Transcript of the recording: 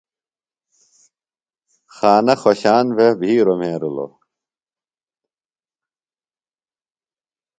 خانہ خوۡشان بھےۡ بھِیروۡ مھرِیلوۡ۔